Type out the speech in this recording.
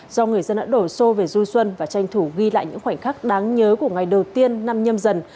do người dân đã đổ xô về du xuân và tranh thủ ghi lại những khoảnh khắc đáng nhớ của ngày đầu tiên năm nhâm dần